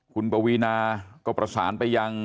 คุณปวีนาก็ประสานไปยัง